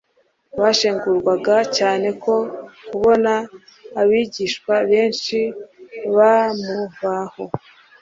Bashengurwaga cyane no kubona abigishwa benshi bamuvaho.